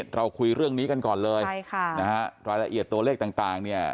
เราคุยเรื่องนี้กันก่อนเลยใช่ค่ะนะฮะรายละเอียดตัวเลขต่างเนี่ย